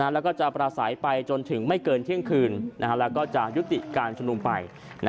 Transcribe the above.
แล้วก็จะประสัยไปจนถึงไม่เกินเที่ยงคืนแล้วก็จะยุติการชุมนุมไป